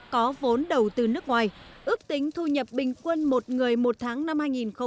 có vốn đầu tư nước ngoài ước tính thu nhập bình quân một người một tháng năm hai nghìn một mươi chín